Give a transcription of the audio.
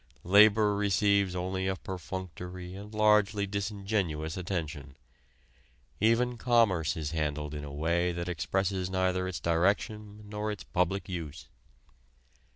Labor receives only a perfunctory and largely disingenuous attention; even commerce is handled in a way that expresses neither its direction nor its public use.